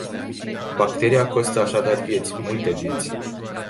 Bacteria costă așadar vieți, multe vieți.